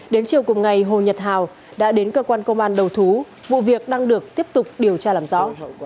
đến chiều cùng ngày hồ nhật hào đã đến cơ quan công an đầu thú vụ việc đang được tiếp tục điều tra làm rõ